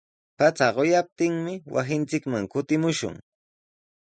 Pacha quyaptinmi wasinchikman kutimushun.